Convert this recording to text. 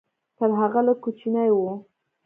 تر هغه لږ کوچنی و.